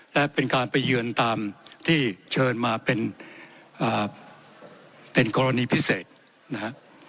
และเป็นการไปเยือนตามที่เชิญมาเป็นกรณีพิเศษนะฮะ